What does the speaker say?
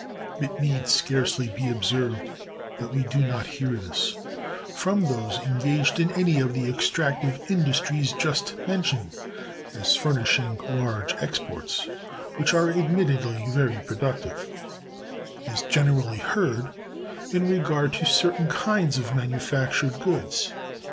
It need scarcely be observed that we do not hear this from those engaged in any of the extractive industries just mentioned as furnishing large exports, which are admittedly very productive; it is generally heard in regard to certain kinds of manufactured goods.